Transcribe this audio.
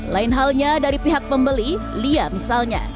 lain halnya dari pihak pembeli lia misalnya